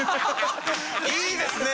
いいですね！